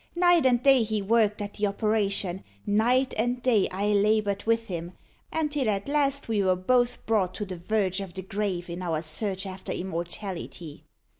Night and day he worked at the operation; night and day I laboured with him, until at last we were both brought to the verge of the grave in our search after immortality.